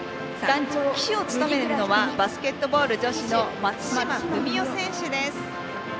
旗手を務めるのはバスケットボール女子の松島史代選手です。